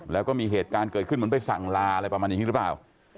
แล้วก็มีเหตุการณ์เกิดขึ้นเหมือนไปสั่งลาอะไรประมาณอย่างนี้หรือเปล่า